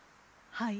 はい。